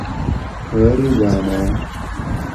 غریباۤناۤن